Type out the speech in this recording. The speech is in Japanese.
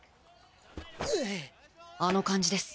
あの感じです。